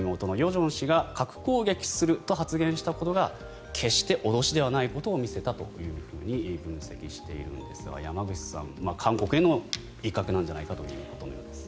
正氏が核攻撃すると発言したことが決して脅しではないことを見せたと分析しているんですが山口さん、韓国への威嚇なんじゃないかということのようです。